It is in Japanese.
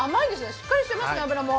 しっかりしてますね、脂も。